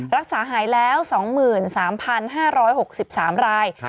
รักษาหายแล้ว๒๓๕๖๓ราย